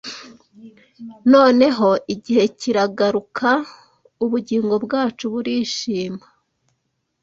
Noneho igihe kiragaruka: Ubugingo bwacu burishima